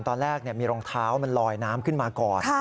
ตอนแรกมีรองเท้ามันลอยน้ำขึ้นมาก่อน